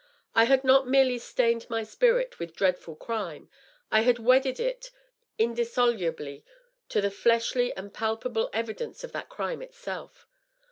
I had not merely stained my spirit with dreadful crime, I had wedded it indis solubly to the fleshly and palpable evidence of that crime itself.